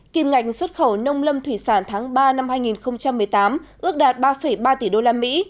kim ngạch xuất khẩu nông lâm thủy sản tháng ba năm hai nghìn một mươi tám ước đạt ba ba tỷ đô la mỹ